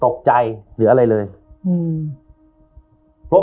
ตกใจหรืออะไรเลยอืมเพราะ